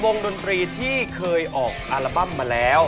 ดนตรีที่เคยออกอัลบั้มมาแล้ว